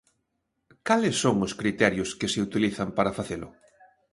¿Cales son os criterios que se utilizan para facelo?